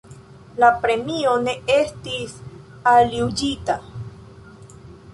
La premio ne estis aljuĝita.